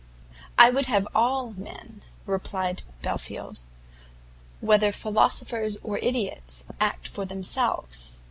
"I would have all men," replied Belfield, "whether philosophers or ideots, act for themselves.